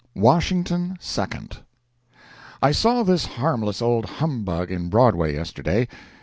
WASHINGTON SECOND I saw this harmless old humbug in Broadway yesterday.